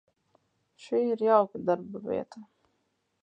Šī ir jauka darbavieta.